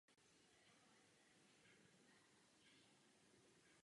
Mezivládní konference, která potvrdila Lisabonskou smlouvu, tyto symboly odmítla.